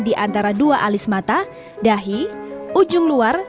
di antara dua alis mata dahi ujung luar